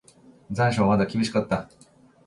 残暑はまだ厳しかった。